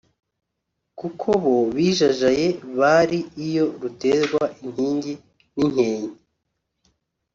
Kuko bo bijajaye bari iyo ruterwa inkingi n’inkenke